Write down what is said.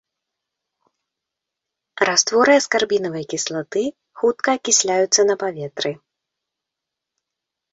Растворы аскарбінавай кіслаты хутка акісляюцца на паветры.